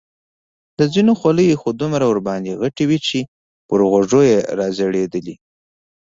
د ځینو خولۍ خو دومره ورباندې غټې وې چې پر غوږو یې را ځړېدلې.